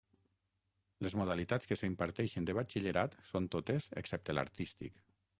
Les modalitats que s'imparteixen de batxillerat són totes excepte l'artístic.